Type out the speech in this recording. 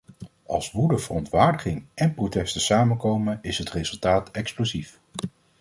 Als woede, verontwaardiging en protesten samenkomen is het resultaat explosief.